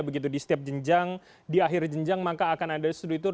begitu di setiap jenjang di akhir jenjang maka akan ada studitur